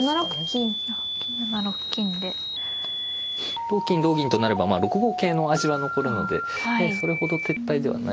同金同銀となれば６五桂の味は残るのでそれほど撤退ではないですね。